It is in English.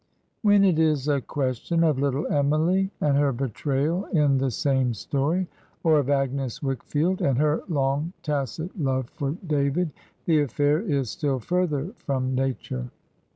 When it is a question of Little Emily and her betrayal in the same story, or of Agnes Wickfield and her long tacit love for David, the affair is still further from nature.